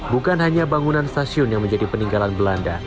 bukan hanya bangunan stasiun yang menjadi peninggalan belanda